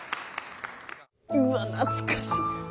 うわ懐かしい！